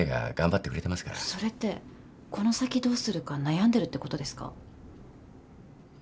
それってこの先どうするか悩んでるってことですか？